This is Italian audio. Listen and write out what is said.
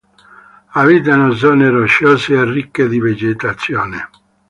Abitano zone rocciose e ricche di vegetazione.